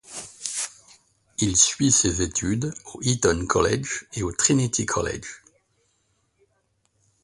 Il suit ses études au Eton College et au Trinity College.